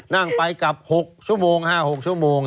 นั่งไปกลับ๖ชั่วโมง๕๖ชั่วโมง